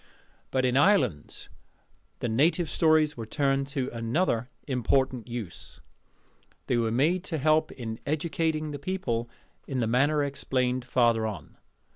But in Ireland the native stories were turned to another important use: they were made to help in educating the people in the manner explained farther on.